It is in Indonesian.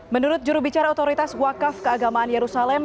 menurut jurubicara otoritas wakaf keagamaan yerusalem